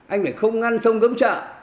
anh phải không ngăn sông cấm chợ